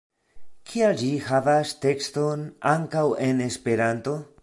Kial ĝi havas tekston ankaŭ en Esperanto?